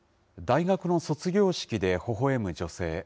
大学の卒業式でほほえむ女性。